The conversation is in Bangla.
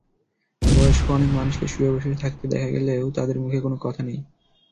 বয়স্ক অনেক মানুষকে শুয়ে-বসে থাকতে দেখা গেলেও তাঁদের মুখে কোনো কথা নেই।